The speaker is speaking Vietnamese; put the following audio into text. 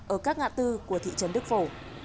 ở các ngã tư của thị trấn đức phổ